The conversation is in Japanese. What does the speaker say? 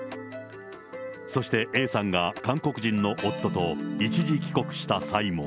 そしてＡさんが韓国人の夫と一時帰国した際も。